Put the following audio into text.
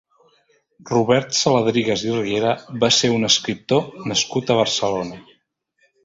Robert Saladrigas i Riera va ser un escriptor nascut a Barcelona.